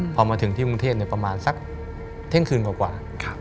พอมาถึงที่กรุงเทพประมาณสักเที่ยงคืนกว่า